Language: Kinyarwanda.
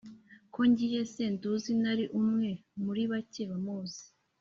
Ko ngiye se nduzi Nari umwe muri bake bamuzi